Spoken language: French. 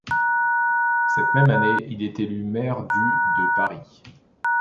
Cette même année, il est élu maire du de Paris.